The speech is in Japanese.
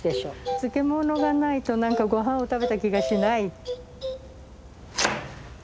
漬物がないと何かごはんを食べた気がしない。